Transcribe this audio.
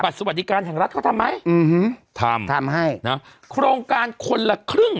สวัสดิการแห่งรัฐเขาทำไหมอืมทำทำให้นะโครงการคนละครึ่ง